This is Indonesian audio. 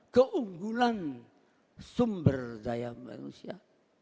keunggulan sumber daya manusia